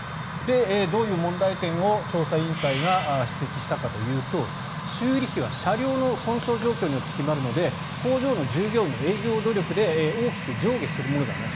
どういう問題点を調査委員会が指摘したかというと修理費は車両の損傷状況によって決まるので工場の従業員の営業努力で大きく上下するものではない。